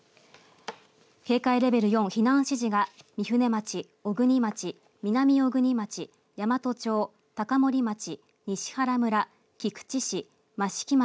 警戒レベル４避難指示が御船町は小国町、南小国町山都町、高森町西原村、菊池市、益城町